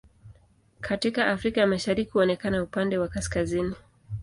Katika Afrika ya Mashariki huonekana upande wa kaskazini.